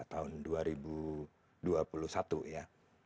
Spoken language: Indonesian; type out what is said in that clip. tahun dua empat triliun tahun dua ribu dua puluh satu ya